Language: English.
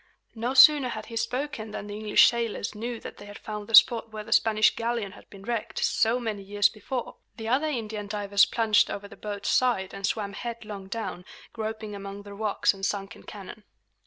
No sooner had he spoken than the English sailors knew that they had found the spot where the Spanish galleon had been wrecked, so many years before. The other Indian divers plunged over the boat's side and swam headlong down, groping among the rocks and sunken cannon.